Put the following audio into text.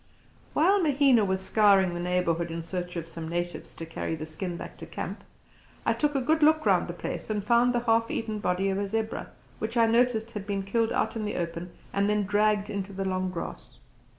While Mahina was scouring the neighbourhood in search of some natives to carry the skin back to camp, I took a good look round the place and found the half eaten body of a zebra, which I noticed had been killed out in the open and then dragged into the long grass.